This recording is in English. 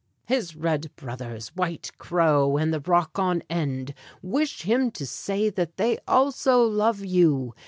His red brothers, White Crow and the Rock on End, wish him to say that they also love you.